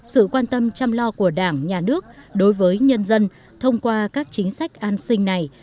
sự quan tâm chăm lo của đảng nhà nước đối với nhân dân thông qua các chính sách an sinh này